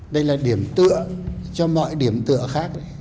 đây là điểm tựa cho mọi điểm tựa khác